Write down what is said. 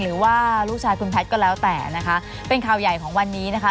หรือว่าลูกชายคุณแพทย์ก็แล้วแต่นะคะเป็นข่าวใหญ่ของวันนี้นะคะ